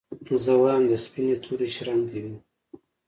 زه وايم د سپيني توري شړنګ دي وي